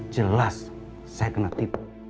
jelas saya kena tip